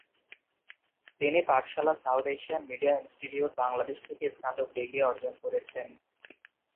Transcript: তিনি Pathshala South Asian Media Institute Bangladesh থেকে স্নাতক ডিগ্রি অর্জন করেছেন।